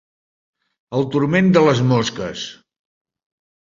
El turment de les mosques.